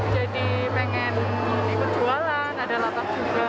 jadi ingin ikut perjualan ada lapak juga